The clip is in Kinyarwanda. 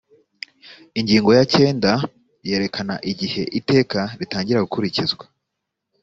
ingingo ya cyenda yerekana igihe iteka ritangira gukurikizwa